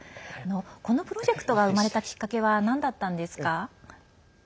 このプロジェクトが生まれたきっかけはなんだったんですか？